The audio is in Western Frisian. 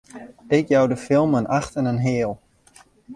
Ik jou de film in acht en in heal!